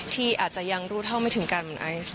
ที่อาจจะยังรู้เท่าไม่ถึงการเหมือนไอซ์